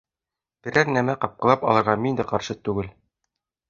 Берәр нәмә ҡапҡылап алырға мин дә ҡаршы түгел